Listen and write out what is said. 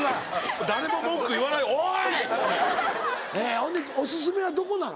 ほんでお薦めはどこなの？